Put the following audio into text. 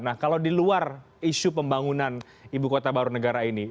nah kalau di luar isu pembangunan ibu kota baru negara ini